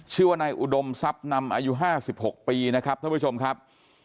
ชื่อว่านายอุดมทรัพย์นำอายุ๕๖ปีนะครับท่านผู้ชมครับ